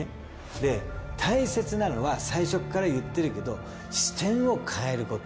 で大切なのは最初から言ってるけど視点を変えること。